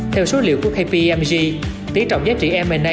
theo số liệu của kpmg tí trọng giá trị m a